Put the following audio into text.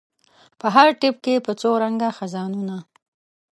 په هر ټپ کې په څو رنګه خزانونه